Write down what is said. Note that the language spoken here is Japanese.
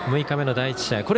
６日目の第１試合